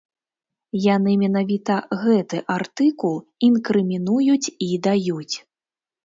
Яны менавіта гэты артыкул інкрымінуюць і даюць.